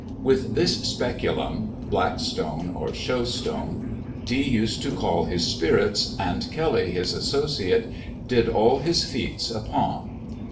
With this speculum, black stone, or show stone, Dee used to "call his spirits," and Kelly, his associate, "did all his feats upon."